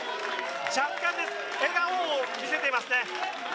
若干、笑顔を見せています。